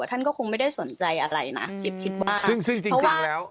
แต่ท่านก็คงไม่ได้สนใจอะไรนะกิ๊บคิดว่า